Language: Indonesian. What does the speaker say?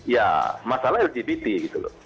ya masalah lgbt gitu loh